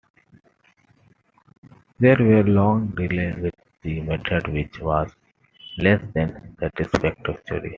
There were long delays with the method, which was less than satisfactory.